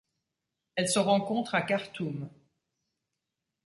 Elle se rencontre à Khartoum.